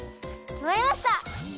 きまりました。